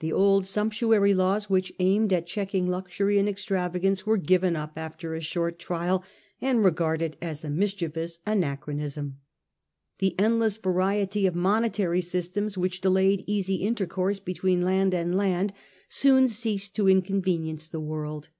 The old sumptuary laws which aimed at check ing luxury and extravagance were given up after a short trial and regarded as a mischievous anachronism. The endless variety of monetary systems which delayed easy intercourse between land and land soon ceased to incon venience the world.